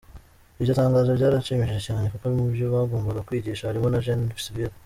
Iryo tangazo ryaranshimishije cyane kuko mubyo bagombaga kwigisha harimo na Génie Civil.